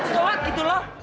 soak gitu loh